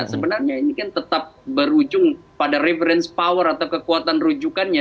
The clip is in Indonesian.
sebenarnya ini kan tetap berujung pada reference power atau kekuatan rujukannya